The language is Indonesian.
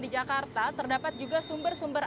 di jakarta terdapat juga sumber sumber